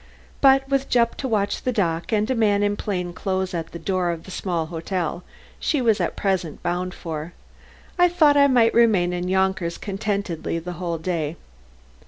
But with Jupp to watch the dock, and a man in plain clothes at the door of the small hotel she was at present bound for, I thought I might remain in Yonkers contentedly the whole day.